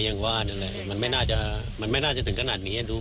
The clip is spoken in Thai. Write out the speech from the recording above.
มันเหนื่อยใจอย่างว่ามันไม่น่าจะถึงขนาดนี้